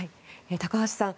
高橋さん